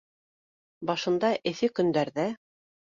Башында эҫе көндәрҙә